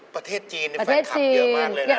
ประเทศจีนแฟนคลับเยอะมากเลยนะ